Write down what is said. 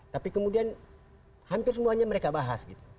tapi kemudian hampir semuanya mereka bahas gitu